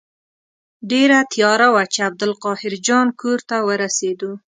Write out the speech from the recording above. ډېره تیاره وه چې عبدالقاهر جان کور ته ورسېدو.